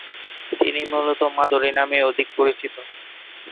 তিনি মূলতঃ মাধুরী নামেই অধিক পরিচিত।